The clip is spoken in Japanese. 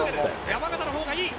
山縣のほうがいい！